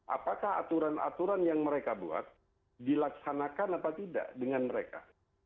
apakah aturan aturan yang mereka buat dilaksanakan atau tidak dengan mereka